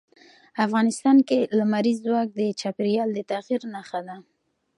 افغانستان کې لمریز ځواک د چاپېریال د تغیر نښه ده.